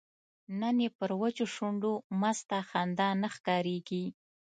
نن یې پر وچو شونډو مسته خندا نه ښکاریږي